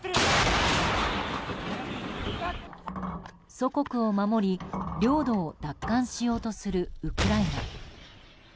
祖国を守り奪還しようとするウクライナ。